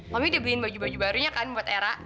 mami udah beliin baju baju barunya kan buat era